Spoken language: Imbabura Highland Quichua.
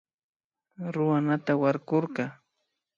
Runata warkurka